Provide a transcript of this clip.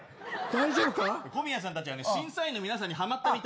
小宮さんたちは審査員の皆さんにはまったみたい。